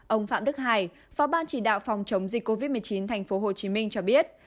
ông phạm đức hải phó ban chỉ đạo phòng chống dịch covid một mươi chín tp hcm cho biết